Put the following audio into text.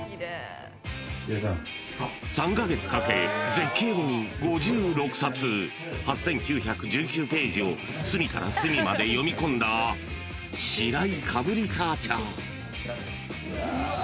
［３カ月かけ絶景本５６冊８，９１９ページを隅から隅まで読み込んだ白井かぶリサーチャー］